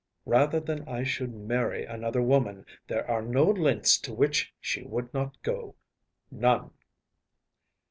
Rather than I should marry another woman, there are no lengths to which she would not go‚ÄĒnone.